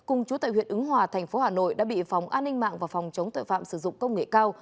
ứng hòa thành phố hà nội đã bị phòng an ninh mạng và phòng chống tội phạm sử dụng công nghệ cao